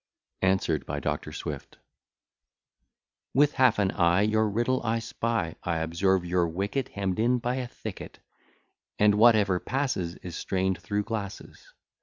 ANSWERED BY DR. SWIFT WITH half an eye your riddle I spy, I observe your wicket hemm'd in by a thicket, And whatever passes is strain'd through glasses.